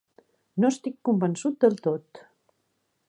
No estic convençut del tot!